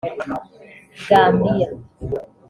Gambia